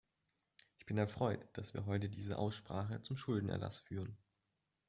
Ich bin erfreut, dass wir heute diese Aussprache zum Schuldenerlass führen.